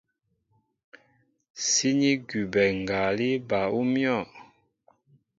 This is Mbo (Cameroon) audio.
Síní gúbɛ ngalí bal ú myɔ̂.